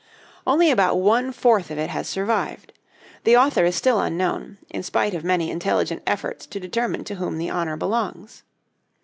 Only about one fourth of it has survived. The author is still unknown, in spite of many intelligent efforts to determine to whom the honor belongs.